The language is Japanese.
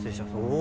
お！